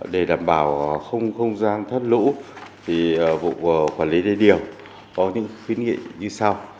để đảm bảo không không gian thất lũ vụ quản lý đê điều có những khuyến nghị như sau